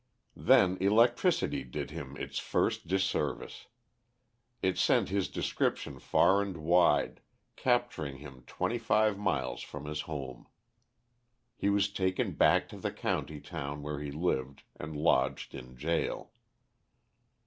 Then electricity did him its first dis service. It sent his description far and wide, capturing him twenty five miles from his home. He was taken back to the county town where he lived, and lodged in gaol.